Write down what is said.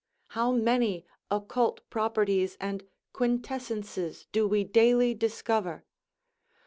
How many occult properties and quintessences do we daily discover?